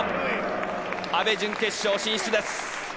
阿部、準決勝進出です。